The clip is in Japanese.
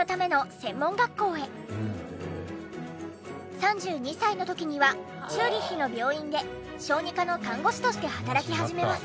３２歳の時にはチューリッヒの病院で小児科の看護師として働き始めます。